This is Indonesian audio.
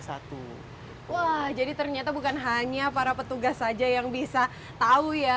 wah jadi ternyata bukan hanya para petugas saja yang bisa tahu ya